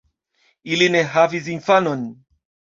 Ili ne havis infanon.